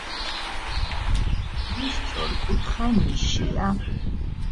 სამხრეთით ორი სწორკუთხა ნიშია.